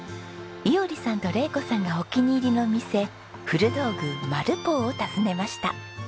衣織さんと玲子さんがお気に入りの店古道具マルポーを訪ねました。